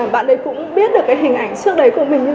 bạn ấy cũng biết được cái hình ảnh trước đấy của mình như thế nào